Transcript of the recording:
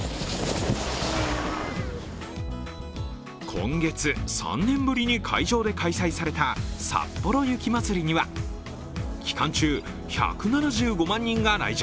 今月、３年ぶりに会場で開催されたさっぽろ雪まつりには期間中１７５万人が来場。